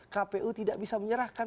kpu tidak bisa menyerahkan